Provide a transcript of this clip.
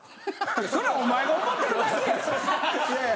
そらお前が思ってるだけや！